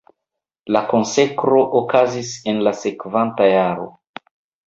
La konsekro okazis en la sekvanta jaro.